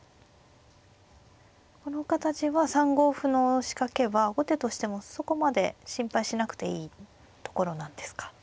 この形は３五歩の仕掛けは後手としてもそこまで心配しなくていいところなんですか。